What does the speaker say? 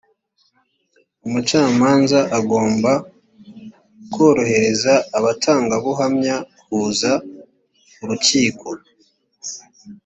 umucamanza agomba korohereza abatangabuhamya kuza ku rukiko